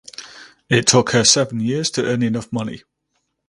It took her seven years to earn enough money.